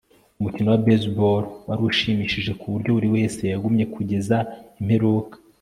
umukino wa baseball wari ushimishije kuburyo buriwese yagumye kugeza imperuka